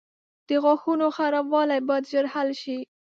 • د غاښونو خرابوالی باید ژر حل شي.